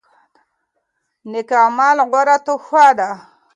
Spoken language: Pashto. نیک اعمال غوره توښه ده.